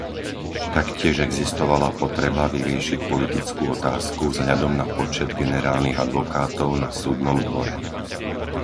Taktiež existovala potreba vyriešiť politickú otázku vzhľadom na počet generálnych advokátov na Súdnom dvore.